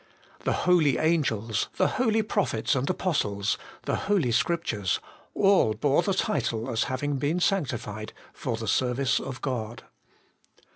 The holy angels, the holy prophets and apostles, the holy Scriptures, all bore the title as having been sancti fied for the service of God.